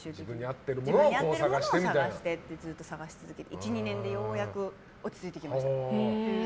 自分に合ってるものをずっと探し続けて１２年でようやく落ち着いてきました。